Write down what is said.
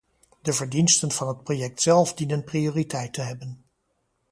De verdiensten van het project zelf dienen prioriteit te hebben.